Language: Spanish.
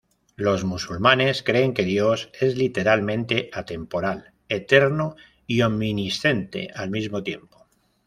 Los musulmanes creen que Dios es literalmente atemporal, eterno y omnisciente al mismo tiempo.